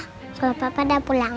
soalnya bapak udah pulang